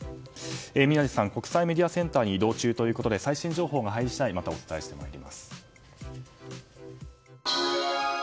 宮司さん国際メディアセンターに移動中ということで最新情報が入り次第またお伝えしてまいります。